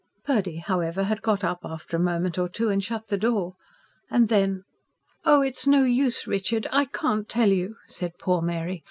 Purdy, however, had got up after a moment or two and shut the door. And then "Oh, it's no use, Richard, I can't tell you!" said poor Mary.